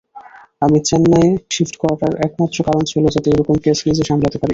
আমি চেন্নাইয়ে শিফট করার একমাত্র কারণ ছিল যাতে এরকম কেস নিজে সামলাতে পারি।